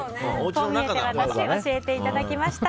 こう見えてワタシ教えていただきました。